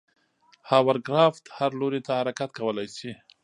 هاورکرافت هر لوري ته حرکت کولی شي.